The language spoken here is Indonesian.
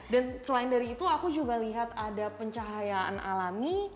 dan selain dari itu aku juga lihat ada pencahayaan alami